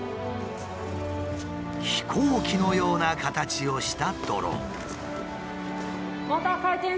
飛行機のような形をしたドローン。